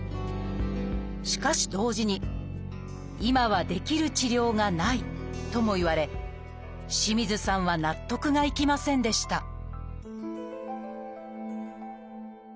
しかし同時に「今はできる治療がない」とも言われ清水さんは納得がいきませんでした